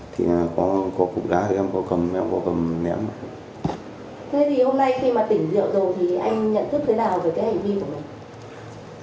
thì anh nhận thức thế nào về cái hành vi của mình